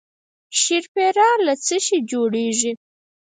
شیرپیره له څه شي جوړیږي؟